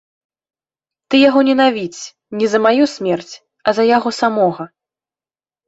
Ты яго ненавідзь не за маю смерць, а за яго самога.